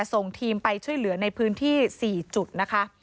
ส่งทีมไปช่วยเหลือในพื้นที่๔จุดนะคะ